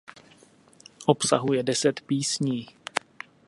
Obsahuje deset písní.